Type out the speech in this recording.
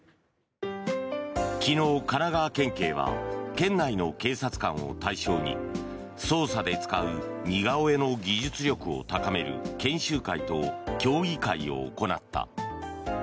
昨日、神奈川県警は県内の警察官を対象に捜査で使う似顔絵の技術力を高める研修会と競技会を行った。